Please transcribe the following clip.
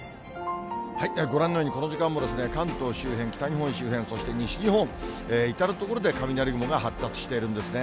ご覧のように、この時間も関東周辺、北日本周辺、そして西日本、至る所で雷雲が発達しているんですね。